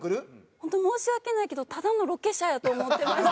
本当申し訳ないけどただのロケ車やと思ってました。